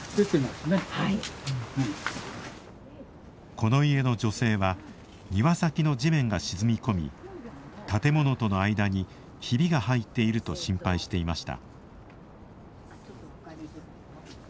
この家の女性は庭先の地面が沈み込み建物との間にひびが入っていると心配していました。